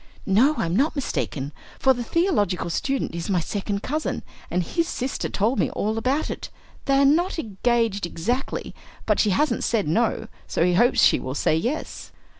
"No, I'm not mistaken; for the theological student is my second cousin, and his sister told me all about it. They are not engaged exactly, but she hasn't said no; so he hopes she will say yes."